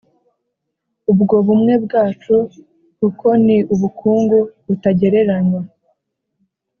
ubwo bumwe bwacu kuko ni ubukungu butagereranywa.